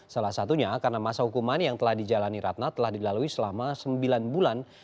salah satunya karena masa hukuman yang telah dijalani ratna telah dilalui selama sembilan bulan